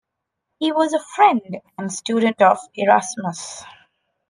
He was a friend and student of Erasmus.